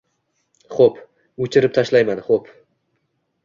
— Xo‘p, o‘chirib tashlayman, xo‘p.